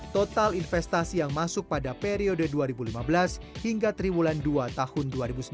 total investasi yang masuk pada periode dua ribu lima belas hingga triwulan dua tahun dua ribu sembilan belas